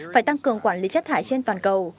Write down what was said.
phải tăng cường quản lý chất thải trên toàn cầu